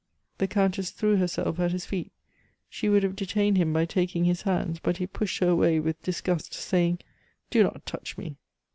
The Countess threw herself at his feet; she would have detained him by taking his hands, but he pushed her away with disgust, saying: "Do not touch me!"